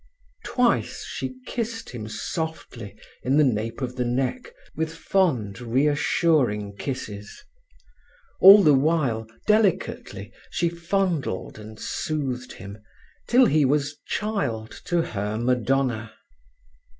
Twice she kissed him softly in the nape of the neck, with fond, reassuring kisses. All the while, delicately, she fondled and soothed him, till he was child to her Madonna.